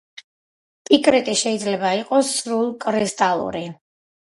პიკრიტი შეიძლება იყოს სრულკრისტალური.